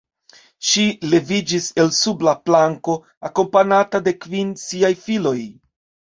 Ŝi leviĝis el sub la planko, akompanata de kvin siaj filoj.